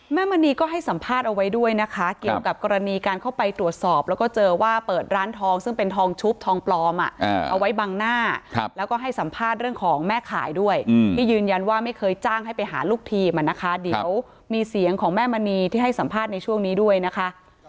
มณีก็ให้สัมภาษณ์เอาไว้ด้วยนะคะเกี่ยวกับกรณีการเข้าไปตรวจสอบแล้วก็เจอว่าเปิดร้านทองซึ่งเป็นทองชุบทองปลอมเอาไว้บังหน้าแล้วก็ให้สัมภาษณ์เรื่องของแม่ขายด้วยที่ยืนยันว่าไม่เคยจ้างให้ไปหาลูกทีมอ่ะนะคะเดี๋ยวมีเสียงของแม่มณีที่ให้สัมภาษณ์ในช่วงนี้ด้วยนะคะ